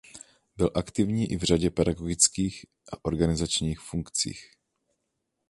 Byl aktivní i v řadě pedagogických a organizačních funkcích.